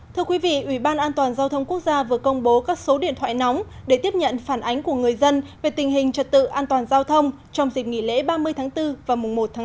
thưa quý vị ủy ban an toàn giao thông quốc gia vừa công bố các số điện thoại nóng để tiếp nhận phản ánh của người dân về tình hình trật tự an toàn giao thông trong dịp nghỉ lễ ba mươi tháng bốn và mùng một tháng bốn